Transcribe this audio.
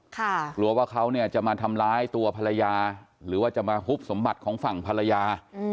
กลัวว่าเขาเนี่ยจะมาทำร้ายตัวภรรยาหรือว่าจะมาฮุบสมบัติของฝั่งภรรยา